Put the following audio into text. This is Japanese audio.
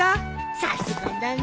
さすがだね。